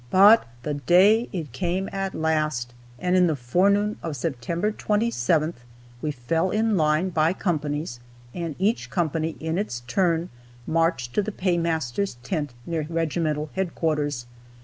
"But the day it came at last," and in the forenoon of September 27th we fell in line by companies, and each company in its turn marched to the paymaster's tent, near regimental headquarters.